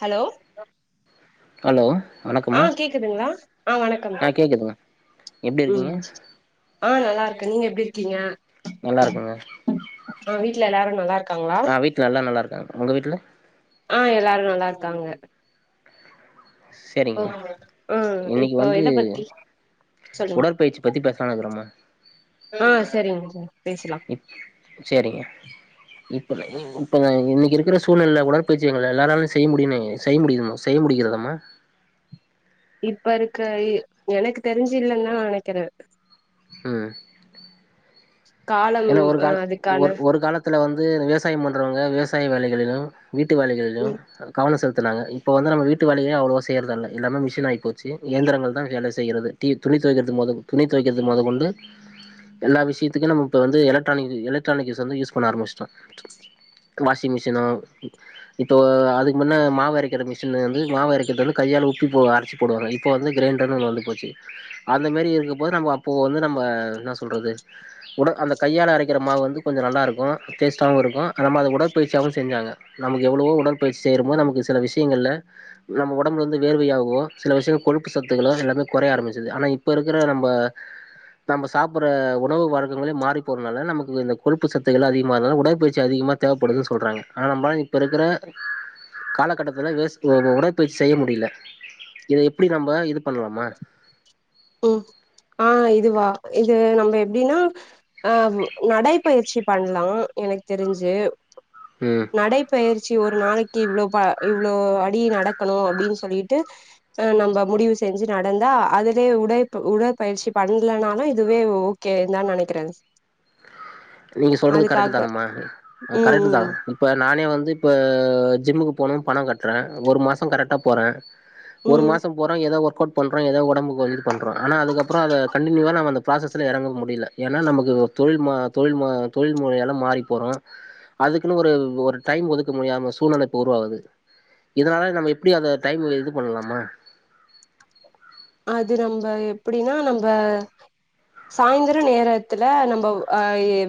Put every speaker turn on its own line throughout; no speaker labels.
hello
hello வணக்க
ஆ கேக்குதுங்ளா ஆ வணக்கம்
கேக்குதுங்க எப்டி இருக்கீங்க
ம் ஆ நல்லா இருக்க நீங்க எப்டி இருக்கீங்க
நல்லா இருக்கங்க
ஆ வீட்ல எல்லாரு நல்லாருக்
ஆ வீட்ல எல்லா நல்லா இருக்காங்க உங்க வீட்ல
ஆ எல்லாரு நல்லா இருக்காங்க
சரிங்கம்மா
ஓகே ஆ
இன்னிக்கு
இப்போ
வந்து
எத பத்தி சொல்லுங்க
உடற்பயிற்சி பத்தி பேசலான் இருக்குறம்மா
ஆ சரிங்க சர் பேசலா
ம் சேரிங்க இப்ப இப்ப இன்னிக்கு இருக்கிற சூழ்நிலைல கூட உடற்பயிற்ச்சி எல்லாராலு செய்ய முடியும்னே செய்ய முடியமா செய்ய முடிக்கிறதாம்மா
இப்ப இருக்க எனக்கு தெரிஞ்சு இல்லன் தா நா நெனைக்கிற
ம்
கால
ஏன்னா ஒரு கால் ஒரு ஒரு காலத் இதுல வந்து விவசாயம் பண்றவங்க விவசாய வேலைகளிலு வீட்டு வேலைகளிலு
ம்
கவனோ செலுத்துனாங்க இப்போ வந்து நம்ம வீட்டு வேலையு அவ்ளவா செய்யறது இல்ல எல்லாமே மிஷின் ஆயி போச்சி இந்திரங்கள் தா வேலை செய்கிறது தி துணி தொவைக்கிறது மொத துணி தொவைக்கிறது மொத கொண்டு எல்லா விஷயத்துக்கு நம் இப்போ வந்து எலக்ட்ரானிக் எலக்ட்ரானிக்ஸ் வந்து யூஸ் பண்ண ஆரமிச்சட்டோ வாஷிங் மிஷினோ இப்போ அதுக்கு முன்னே மாவு அரைக்கிற மிஷின் வந்து மாவு அரைக்கிறது வந்து கையால உப்பி போ அரச்சி போடுவாங்க இப்ப வந்து கிரைண்டர்ன் ஒன்னு வந்து போச்சி அந்த மாரி இருக்கும் போது நம்ம அப்போ வந்து நம்ம என்ன சொல்றது உட அந்த கையால அரைக்கிற மாவு வந்து கொஞ்சோ நல்லாருக்கு டேஸ்டாவு இருக்கு அந்த மாரி உடற்பயிற்சியாவு செஞ்சாங்க நமக்கு எவ்வளவோ உடற்பயிற்சி செய்றமோ நமக்கு சில விஷயங்கள்ல நம்ம உடம்புல வந்து வேர்வையாகவோ சில விஷயங்கள் கொழுப்பு சத்துக்களோ எல்லாமே கொறைய ஆரம்பிச்சுது ஆனா இப்ப இருக்கிற நம்ம நம்ம சாப்புடுற உணவு வாழ் இந்த மாரி மாறி போறதுனால நமக்கு இந்த கொழுப்பு சத்துக்கள் அதிகமாதுல உடற்பயிற்சி அதிகமா தேவைப்படு சொல்றாங்க [unintelligible] இப்ப இருக்கிற காலகட்டத்துல வெஸ்ட்ங்க உடற்பயிற்சி செய்ய முடில இத எப் ப்படி நம்ம இது பண்லாமா
ம் ஆ இதுவா இது நம்ம எப்டின்னா ஆ நடைப்பயிற்சி பண்லா எனக்கு தெரிஞ்சி
ம்
நடைப்பயிற்சி ஒரு நாளைக்கி இவ்ளோ பா இவ்ளோ அடி நடக்கணு அப்டின் சொல்லிட்டு அ நம்ப முடிவு செஞ்சி நடந்தா அது இதே உடைப்பு உடற்பயிற்சி பண்ணலனாதா இதுவே ஓகே தான் நெனைக்கிறே
நீங்க சொல்றது கரெக்ட்டு
அதுக்காக
தானம்மா
ம்
கரெக்ட்டு தா
ம்
இப்ப நானே வந்து இப்ப ஜிம்முக்கு போனும்னு பணோ கட்றே ஒரு மாசோ கரெக்டா போறே ஒரு
ம்
மாசோ போறோம் எதோ ஒர்க் அவுட் பண்ணறோ எதோ உடம்புக்கு வந்துட்டு பண்ணறோ ஆன அதுக்கு அப்பறோ அத கண்டினியூவா நம்ம அந்த ப்ராசஸ்ல எறங்க முடியில ஏன்னா நமக்கு தொழில் மா தொழில் மா தொழில் முறையாலா மாறிப்போறோ அதுக்குன்னு ஒரு ஒரு டைம் ஒதுக்க முடியாம சூழ்நிலை இப்போ உருவாகுது இதுனால நம்ம எப்டி அந்த டைமு இது பண்லாமா
அது நம்ப எப்புடின்னா நம்ப சாயந்திரோ நேரத்துல நம்ப ஆ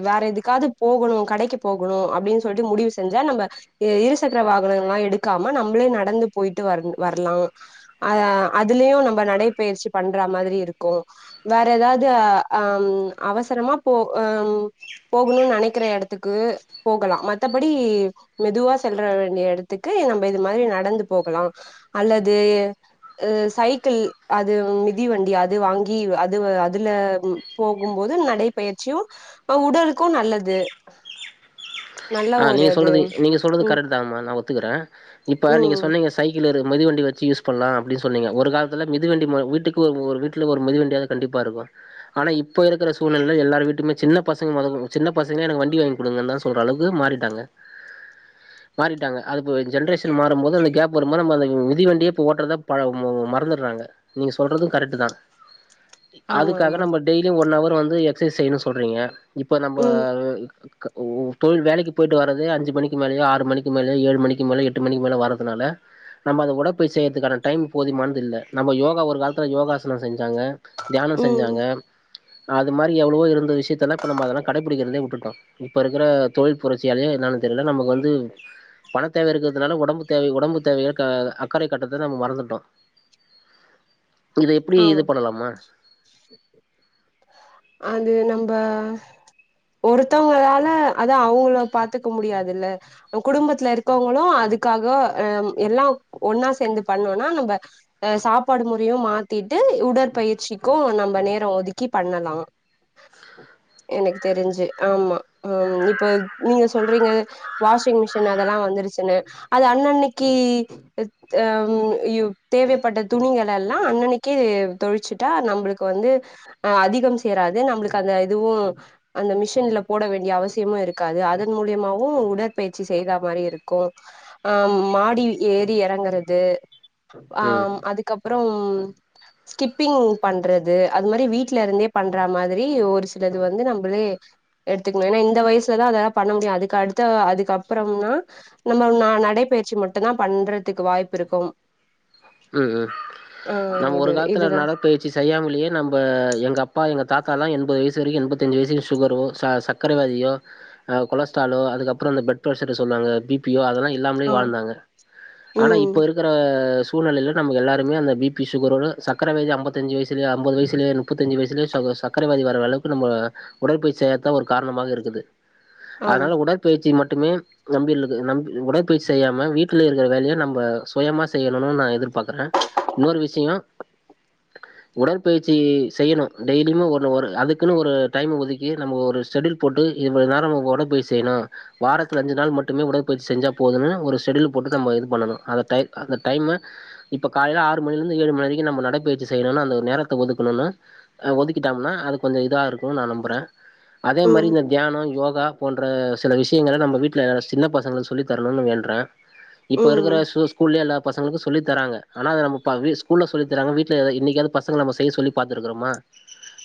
வேற எதுக்காவது போகணு கடைக்குப் போகணு அப்டின்னு சொல்ட்டு முடிவு செஞ்சா நம்ம எ இருசக்கர வாகனங்கள்லா எடுக்காம நம்ப்ளே நடந்து போயிட்டு வரன் வர்லா அ அதுலயு நம்ப நடைப்பயிற்சி பண்ற மாதிரி இருக்கு வேற எதாவது ஆ அம் அவசரமா போ ஹம் போகணுன்னு நெனைக்குற எடத்துக்கு போகலா மத்தபடி மெதுவா செல்ற வேண்டிய எடத்துக்கு நம்ம இது மாதிரி நடந்து போகலா அல்லது சைக்கிள் அது மிதிவண்டி அது வாங்கி அதுவ அதுல ம் போகும்போது நடைபயிற்சியு இப்ப உடலுக்கு நல்லது
ப
நல்ல
ஆ
ஒரு
நீங்க
அது
சொல்றது நீங்க சொல்றது
ம்
கரெக்ட் தாங்கம்மா நா ஒத்துக்குறே இப்ப நீங்க
ம்
சொன்னீங்க சைக்கிள் இரு மிதிவண்டி வச்சு யூஸ் பண்லா அப்டின் சொன்னீங்க ஒரு காலத்துல மிதிவண்டி ம வீட்டுக்கு ஒரு ஒரு வீட்ல ஒரு மிதிவண்டியாது கண்டிப்பா இருக்கு ஆனா இப்ப இருக்குற சூழ்நிலையில எல்லார் வீட்டுக்குமே சின்ன பசங்க மொதகு சின்ன பசங்க எனக்கு வண்டி வாங்கி குடுங்கன்தா சொல்ற அளவுக் து மாறிட்டாங்க மாறிட்டாங்க அதுப் ஜென்ரேஷன் மாறும்போது அந்த கேப் வரும்போது நம்ம அந்த மிதிவண்டியே இப்ப ஓட்றதா பழவு ம மறந்துர்றாங்க நீங்க சொல்றது கரெக்ட்டு தா
ஆமா
அதுக்காக
ஆமா
நம்ம டெய்லியு ஒன்னவர் வந்து எக்ஸ்சைஸ் செய்யணு சொல்றீங்க இப்ப நம்ப
ம்
க ஓ ஓ தொழில் வேலைக்கு போய்டு வரது அஞ்சு மணிக்கு மேலயோ ஆறு மணி மேலயோ ஏழு மணிக்கு மேலே எட்டு மணிக்கு மேலே வரதுனால நம்ம அத உடற்பயிற்சி செய்றதுக்கான டைம் போதுமானது இல்ல நம்ம யோகா ஒரு காலத்துல யோகா சனோ செஞ்சாங்க தியானோ
ம்
செஞ்சாங்க அது மாரி எவ்ளவோ இருந்த விஷயத்தல்லா இப்ப நம்ம அதல்லா கடைபிடிக்கிறதே வுட்டுட்டோ இப்ப இருக்குற தொழில் புரட்சியாலயோ என்னன்னு தெர்ல நமக்கு வந்து பணத் தேவ இருக்குறதுனால ஒடம்பு தேவை ஒடம்பு தேவைகள் க அக்கறை காட்டுறத நம்ம மறந்துட்டோ இத எப்டி
ஆமா
இது பண்ணலாமா
அது நம்ப ஒருத்தவுங்களால அத அவுங்கள பாத்துக்க முடியாதுல்ல குடும்பத்துல இருக்கவங்களு அதுக்காக எல்லம் எல்லாம் ஒன்னா சேர்ந்து பண்ணோனா நம்ப அ சாப்பாடு முறையு மாத் த்திட்டு உடற்பயிற்சிக்கு நம்ப நேரோ ஒதுக்கி பண்ணலா எனக்கு தெரிஞ்சு ஆமா ஆ இப்ப நீங்க சொல்றீங்க வாஷிங் மிஷின் அதெல்லா வந்துருச்சுன்னு அது அன்னன்னைக்கி அம் யு தேவைப்பட்ட துணிங்கல எல்லா அன்னனைக் கி தொழுச்சுட்டா நம்மளுக்கு வந்து அ அதிகம் சேராது நம்மளுக்கு அந்த இதுவு அந்த மிஷின்ல போட வேண்டிய அவசியமும் இருக்காது அதன் மூலியமாவும் உடற்பயிற்சி செய்த மாதிரி இருக்கும் அ மாடி ஏறி இறங்குறது ஆ
ம்
அதுக்கப்புறம் ஸ்கிப்பிங் பண்றது அது மாதிரி வீட்ல இருந்தே பண்ற மாதிரி ஒரு சிலது வந்து நம்மளே எடுத்துக்கணும் ஏன்னா இந்த வயசுலதான் அதெல்லாம் பண்ண முடியும் அதுக்கு அடுத்த அதுக்கப்புறம்னா நம்ம நடைப்பயிற்சி மட்டும் தான் பண்றதுக்கு வாய்ப்பு இருக்கும்
உம் உம்
ஆ
நம்ம ஒரு
இது
காலத்துல
இதுதா
நட பயி ற்சி செய்யாமல்லையே நம்ப எங்க அப்பா எங்க தாத்தா எல்லா எண்பது வயசு வரைக்கும் எண்பத்தஞ்சு வயசு வரைக்கு சுகர்ரோ ச சக்கரைவியாதியோ கொலஸ்ட்ராலோ அதுக்கப்புறம் அந்த பிளட்ப்ரஷர் சொல்லுராங்க பி பி அதெல்லாம் இல்லாமலே
ஆ
வாழ்ந்தாங்க ஆனா
ம்
இப்ப இருக்குற சூழ்நிலையில நம்ம எல்லாருமே அந்த பிபி சுகரோ சக்கரை வியாதி ஐம்பத்தஞ்சு வயசுலயே ஐம்பது வயசுலயே முப்பத்தஞ்சுவயசுலயே ச சக்கரைவியாதி வர அளவுக்கு நம்ம உடற்பயிற்சி செய்யாதா ஒரு காரணமாக இருக்குது
ஆம்
அதனால உட பயிற்சி மட்டுமே நம்ப உடற்பயிற்சி செய்யாம வீட்டில் இருக்கிற வேலையை நம்ம சுயமா செய்ய பண்ணனு நா எதிர்பாக்குறேன் இன்னொரு விஷயம் உடற்பயிற்சி செய்யணும் டெய்லியும்மோ ஒன்னு ஒரு அதுக்குன்னு ஒரு டைம் ஒதுக்கி நம்ம ஒரு ஷெடியுல் போட்டு இவ்ளோ நேரம் நம்ம உடற்பயிற்சி செய்யணும் வாரத்துல அஞ்சு நாள் மட்டுமே உடற்பயிற்சி செஞ்சா போதுனு ஒரு ஷெடூல் போட்டு நம்ம இது பண்ணணும் அந்த டைத் டைம்மு இப்ப காலைல ஆறு மணிலருந்து ஏழு மணி வரைக்கும் நம்ம நடையிற்சி செய்யணும்னு அந்த நேரத்த ஒதுக்கணும்னா ஒதுக்கிட்டோம்னா அது கொஞ்சம் இதா இருக்கும்னு நா நம்புறேன் அதே மாதிரி
ம்
இந்த தியானம் யோகா போன்ற சில விஷயங்கள நம்ம வீட்டுல சின்ன பசங்களுக்கு சொல்லித்தரணும்னு வேண்டுறேன் இப்ப இருக்குற
ம்
ஸ்கூல்லயே எல்லாப் பசங்களுக்கு சொல்லி தராங்க ஆனா நம்ப ஸ்கூல்ல சொல்லி தராங்க வீட்ல என்னிக்காவது பசங்கங்கள நம்ம செய்ய சொல்லி பாத்துருக்கோமா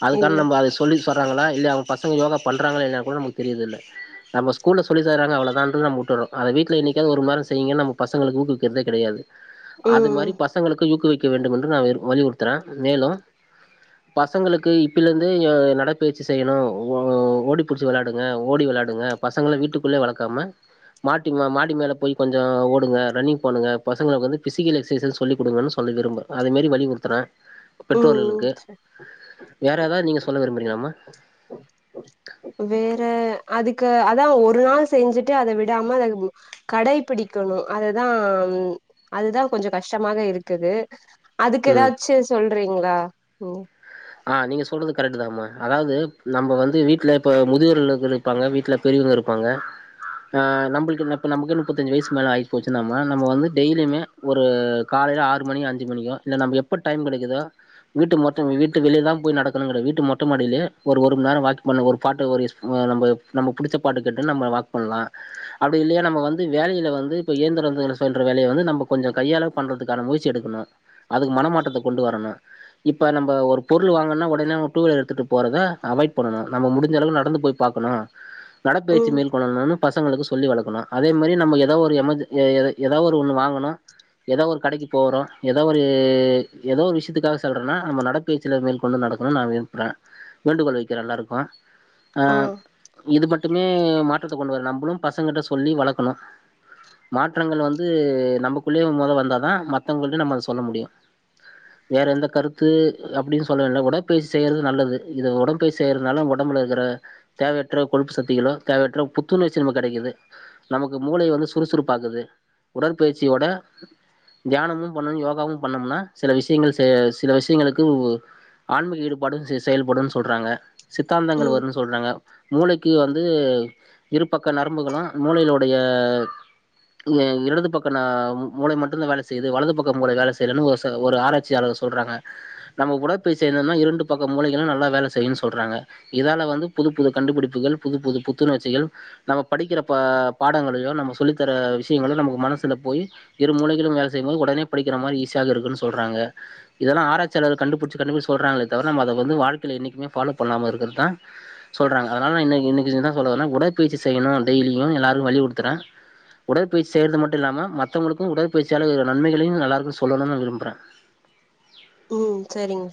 அதுக்கான
இல்ல
நம்ப அத சொல்லி சொல்றாங்களா இல்ல அவுங்க பசங்க யோகா பண்றாங்களா இல்லயா கூட நமக்கு தெரியிறதுல நம்ம ஸ்கூல்ல சொல்லி தராங்க அவ்ளோ தான்றது நம்ப விட்டுறோம் அத வீட்ல என்னிக்காவது ஒரு மண் நேரம் செய்ங்க நம்ம பசங்கள ஊக்குவிக்குறதே கிடையாது அது
ம்
மாரி பசங்களுக்கு ஊக்குவிக்க வேண்டும் என்று நா வலியுறுத்துற மேலும் பசங்களுக்கு இப்பிலருந்தே நடைப்பயிற்சி செய்யணும் ஓடி பிடிச்சு விளையாடுங்க ஓடி விளையாடுங்க பசங்கள வீட்டுக்குள்ளே வளக்காம மாட்டி மா மாடி மேல போய் கொஞ்சோ ஓடுங்க ரன்னிங் பண்ணுங்க பசங்களுக்கு வந்து பிசிக்கல் எக்சைஸ்ச சொல்லி குடுங்கன்னு சொல்ல விரும்ப அதே மாரி வலியுறுத்துறேன்
ம்
பெற்றோர்களுக்கு வேற ஏதாவது நீங்க சொல்ல விரும்புறீங்களாமா
வேற அதுக்கு அதா ஒரு நாள் செஞ்சுட்டு அத விடாம அத கடைபிடிக்கணும் அதுதா அதுதா கொஞ்சோ கஷ்டமாக இருக்குது அதுக்கு
ம்
ஏதாச்சு சொல்றீங்களா
ஆ நீங்க சொல்றது கரெக்ட் தாமா அதாவது நம்ம வந்து வீட்ல இப்ப முதியோர் இல்லத்துல இருப்பாங்க வீட்ல பெரியவுங்க இருப்பாங்க ஆ நம்மளுக்குப்ப நமக்கு முப்பத்தஞ்சு வயசு மேல ஆயி போச்சு நம் வந்து டெய்லியுமே ஒரு காலையில ஆறு மணி அஞ்சு மணியோ இல்ல நம்ம எப்ப டைம் கிடைக்குதோ வீட்டு மொத்த வீட்டு விட்டு வெளிய தா போய் நடக்கணும் கிடையா வீட்டு மொட்ட மாடியிலே ஒரு ஒரு மணி நேரம் வாக் பண்ண ஒரு பாட்டு ஒரு நம் நம்ம பிடிச்ச பாட்டு கேட்டு நம்ம வாக் பண்லாம் அப்படி இல்லையா நம்ம வந்து வேலையில வந்து இப்ப இயந்திர வேல சொல்ற வேலை வந்து நம்ம கொஞ்சம் கையால பண்றதுக்கான முயற்சி எடுக்கணு அதுக்கு மனமாற்றத்த கொண்டு வரணும் இப்ப நம்ப ஒரு பொருள் வாங்கலனா உடனே அவன் டூவீலர எடுத்துட்டு போறத அவாய்ட் பண்ணணும் முடிஞ்ச அளவு நடந்து போய் பாக்கணும் நடைபயிற்சி
ம்
மேற்கொள்ளலானும் பசங்களுக்கு சொல்லி வளக்கணும் அதே மாரி நம்ம ஏதாவ ஒரு எமர்ஜ ஏதாவது ஒரு ஒண்ணு வாங்கனு ஏதோ ஒரு கடைக்கி போறோம் எதோ ஒரு ‌ஏதோ ஒரு விஷயத்துக்காக சொல்றோனா நம்ம நட பயிற்சிய மேற்கொண்டு நடக்கணும்னு நா விரும்ப்புற வேண்டுகோள் வைக்கிற எல்லாருக்கும்
ஆ
இது மட்டுமே மாற்றத்த கொண்டு வரு நம்புளு பசங்ககிட்ட சொல்லி வளக்கணு மாற்றங்கள் வந்து நமக்குள்ளயே மொத வந்தா தா மத்தவங்கள்டையு நம்ம அத சொல்ல முடியு வேற எந்த கருத்து அப்டின்னு சொல்லவில்ல உடற்பயிற்சி செய்யறது நல்லது இது உடம்பயிற்சி செய்றதுனால உடம்புல இருக்கிற தேவையற்ற கொழுப்பு சத்திகளோ தேவையற்ற புத்துணர்ச்சி நமக்கு கிடைக்குது நமக்கு மூளை வந்து சுறுசுறுப்பாகுது உடற்பயிற்சியோட தியானமும் பண்ணணு யோகாவும் பண்ணோம்னா சில விஷயங்கள் செ சில விஷயங்களுக் க்குவு ஆன்மீக ஈடுபாடு செ செயல்படுன் சொல்றாங்க சித்தாந்தங்கள்
ம்
வரும்னு சொல்றாங்க மூளைக்கு வந்து இரு பக்க நரம்புகளு மூளைளுடைய இல இடது பக்கனா மூ மூளை மட்டு தா வேலை செய்து வலது பக்க மூளை வேலை செய்யலனு ஒரு ஒசக ஒரு ஆராய்சியாளர் சொ சொல்றாங்க நம்ம உடற்பயிற்சி செய்தோம்னா இரண்டு பக்கோ மூளைகளு நல்லா வேலை செய்யுன் சொல்றாங்க இதால வந்து புது புது கண்டுபிடிப்புகள் புது புது புத்துணர்ச்சிகள் நம்ம படிக்கிற பா பாடங்களையோ நம்ம சொல்லித்தர விஷயங்களோ நமக்கு மனசுல போய் இரு மூளைகளு ‌வேலை செய்யும் போது உடனே படிக்கிற மாரி ஈசியாக இருக்குன்னு சொல்றங்க இதெல்லா ஆராய்ச் சிலர் கண்டுபிடிச்சு கண்டுபிடிச்சு சொல்றாங்களே தவிர நம்ம அத வந்து வாழ்க்கைல என்னிக்குமே ஃபாலோ பண்ணாம இருக்குறது தா சொல்றாங்க அதனால இன்னைக்கு இன்னைக்கு என்ன சொல்ல வரனா உடற்பயிற்சி செய்யணு டெய்லியும் எல்லாரு வலியுருத்துற உடற்பயிற்சி செய்றது மட்டு இல்லாம மத்தவங்களுக்கு உடற்பயிற்சியால வரு நன்மைகளையு எல்லாருக்கு சொல்லனும்னு நா விரும்புற
ம் சேரிங்க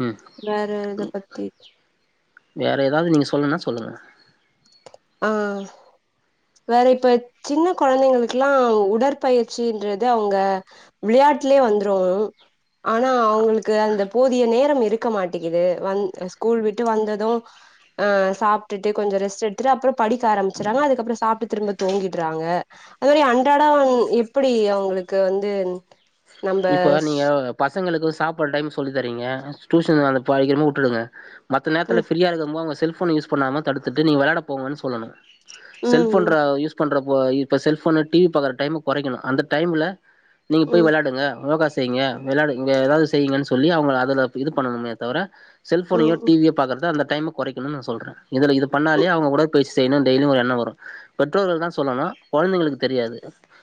ம்
வேற எத பத்தி
வேற ஏதாவது நீங்க சொல்லலுன்னா சொல்லுங்க
ஆ வேற இப்ப சின்ன குழந்தைங்களுக்குல்லா உடற்பயிற்சின்றது அவங்க விளையாட்டுலயே வந்துரு ஆனா அவங்களுக்கு அந்த போதிய நேரம் இருக் க்க மாட்டிகிது வந் ஸ்கூல் விட்டு வந்தது ஆ சாப்ட்டுட்டு கொஞ்சோ ரெஸ்ட் எடுத் த்ர அப்புறோ படிக்க ஆரம்பச்சுறாங்க அதுக்கப்புறோ சாப்ட்டு திரும்ப தூங்கிடுறாங்க அது மாரி அன்றாடோ எப்டி அவங்களுக்கு வந்து நம்ப
இப்ப நீங்க பசங்களுக்கு சாப்படுற டைம் சொல்லி தரீங்க டியூஷன் அனுப்பாக்கிறம வுட்டுடுங்க மத்த நேரத்துல
ம்
ஃப்ரியா இருக்கு போது உங்க செல்ஃபோன யூஸ் பண்ணாம தடுத்துட்டு நீங்க விளாட போங்கன்னு சொல்லணு செல்ஃபோன்ற
ம்
யூஸ் பண்றப்போ இப்ப செல்ஃபோன்னு டி வி பாக்கற டைம கொறைக்கணு அந்த டைம்ல நீங்க போய்
ம்
விளாடுங்க யோகா செய்ங்க விளயாடு இங்க ஏதாவது செய்யுங்கன்னு சொல்லி அவங்க அதுலத் இது பண்ணணுமே தவர செல்ஃபோனையோ
ம் ம்
டி வியோ பாக்கறத அந்த டைம கொறைக்கணு நா சொல்ற இதுல இது
ம்
பண்ணாலே அவங்க கூட பேசி செய்ன்னு டெய்லி ஒரு என்னோ வரு பெற்றோர்கள் தா சொல்லனு குழந்தைங்களுக்கு தெரியாது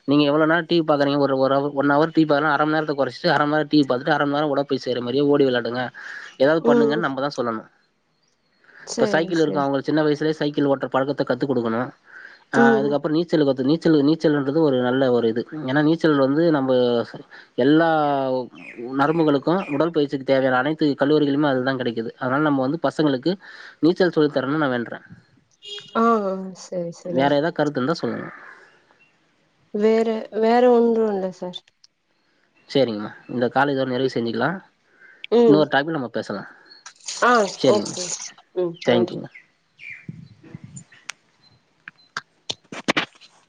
நீங்க எவ்ளோ நேரோ டி வி பாக்குறீங்க ஒரு ஒரவர் ஒன்னவர் டி வி பாத்தனா அரம நேரத்த கொறச்சிட்டு அரம நேரோ டி வி பாத்துட்டு அரம நேரோ உடற்பயிற்சி செய்ற மாரி ஓடி விளாடுங்க ஏதாவது
ம்
பண்ணுங்கன்னு நம்ப தா சொல்லணு இப்போ
சேரி
சைக்கிள் இருக்கு
சேரி
அவங்களுக் சின்ன வயசுலே சைக்கிள் ஓட்ற பழக்கத்த கத்து குடுக்கணு அ
ம்
அதுக்கப்றோ நீச்சல் கத்து நீச் ச்சல்லு நீச்சல்ன்றது ஒரு நல்ல ஒரு இது ஏன்னா நீச்சல் வந்து நம்பஸ்சு எல்லாவ் ம் நரம்புகளுக்கு உடல்பயிற்சிக்கு தேவையான அனைத்து கலோரிகளுமே அதுல தா கெடைக்குது அதுனால நம்ம வந்து பசங்களுக்கு நீச்சல் சொல்லித்தரனு நா வேண்ற
ஆ ஆ சேரி சேரிங்
ஏதா கருத்து இருந்தா சொல்லுங்க
வேற வேற ஒன்று இல்ல சார்
சேரிங்கம்மா இந்த கால இதோட நிறைவு செஞ்சுக்கலா
ம்
இன்னொரு டாப்பிக்கில நம்ம பேசலா
ஆ
சேரிங்கம்மா
ஓகே ம் நன்றி
தேங்க்யூங்க [inaudible]